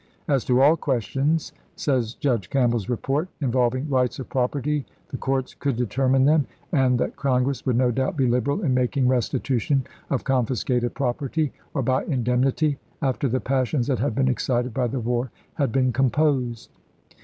"As to all questions," says Judge and en. Campbell's report, "involving rights of property, the courts could determine them, and that Congress would no doubt be liberal in making restitution of Can}gbdl» confiscated property, or by indemnity, after the Magazine/* passions that had been excited by the war had p 'W been composed."